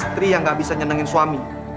istri yang gak bisa nyenengin suami